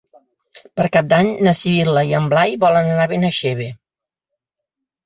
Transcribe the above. Per Cap d'Any na Sibil·la i en Blai volen anar a Benaixeve.